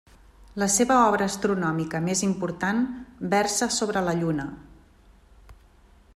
La seva obra astronòmica més important versa sobre la Lluna.